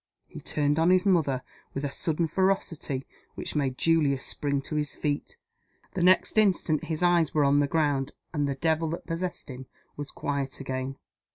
He turned on his mother with a sudden ferocity which made Julius spring to his feet. The next instant his eyes were on the ground, and the devil that possessed him was quiet again.